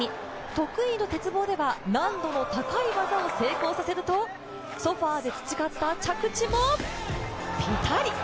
得意の鉄棒では、難度の高い技を成功させるとソファーで培った着地もピタリ。